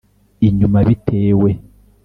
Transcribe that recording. Inyuma bitewe